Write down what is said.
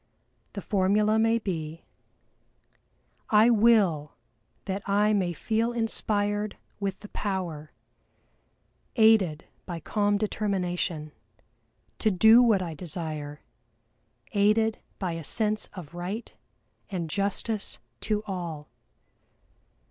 The formula may be: "I will that I may feel inspired with the power, aided by calm determination, to do what I desire, aided by a sense of right and justice to all.